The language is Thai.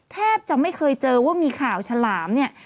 แทบจะไม่เคยเจอว่ามีข่าวฉลามเนี่ย